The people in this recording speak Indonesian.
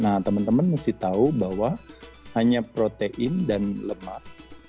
nah teman teman mesti tahu bahwa hanya protein dan lemak